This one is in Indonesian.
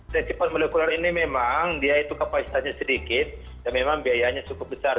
tes cepat molekuler ini memang dia itu kapasitasnya sedikit dan memang biayanya cukup besar